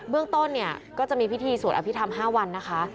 เรื่องต้นเนี่ยก็จะมีพิธีสวดอภิษฐรรม๕วันนะคะ